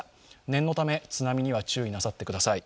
念のため、津波には注意なさってください。